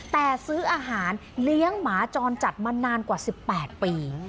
แต่ซื้ออาหารเลี้ยงหมาจรจัดมานานกว่า๑๘ปี